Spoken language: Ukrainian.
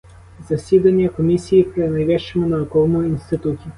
Засідання комісії при найвищому науковому інституті.